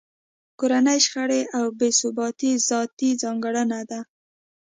کورنۍ شخړې او بې ثباتۍ ذاتي ځانګړنه ده